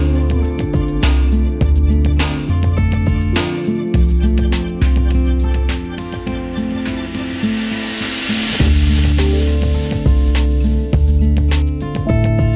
จนกระทั่งเดี๋ยว